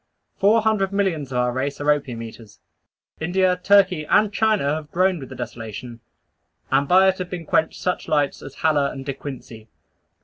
Four hundred millions of our race are opium eaters. India, Turkey, and China have groaned with the desolation; and by it have been quenched such lights as Haller and De Quincey.